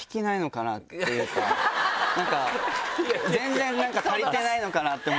なんか全然足りてないのかなって思って。